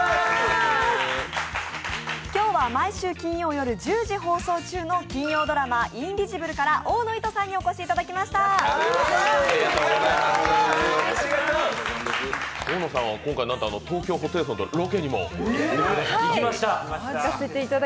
今日は毎週金曜夜１０時放送中の金曜ドラマ「インビジブル」から大野いとさんにお越しいただきました。